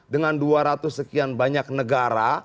dengan dua ratus sekian banyak negara